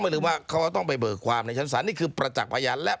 ไม่ลืมว่าเขาต้องไปเบอร์ความในชั้นสารนี่คือประจักษณ์ประยารและ